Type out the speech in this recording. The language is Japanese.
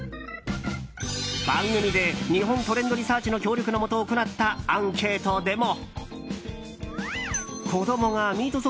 番組で日本トレンドリサーチの協力のもと行ったアンケートでも。